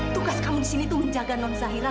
tugas kamu disini tuh menjaga non zahira